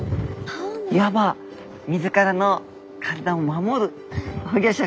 いわば自らの体を守る保護色。